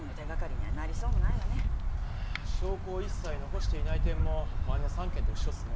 あ証拠を一切残していない点も前の３件と一緒っすね。